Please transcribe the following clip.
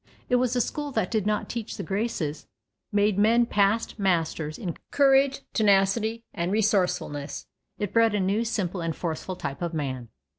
It was a school that did not teach the graces, but it made men past masters in courage, pertinacity, and resourcefulness. It bred a new, simple, and forceful type of man.